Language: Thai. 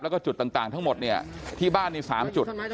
แล้วก็จุดต่างทั้งหมดเนี่ยที่บ้านมี๓จุด